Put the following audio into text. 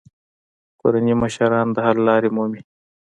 کورني مشران د حل لارې مومي.